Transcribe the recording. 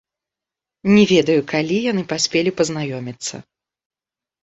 Не ведаю, калі яны паспелі пазнаёміцца.